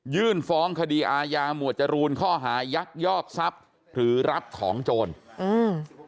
ยื่นฟ้องคดีอาญาหมวดจรูนข้อหายักยอกทรัพย์หรือรับของโจรอืม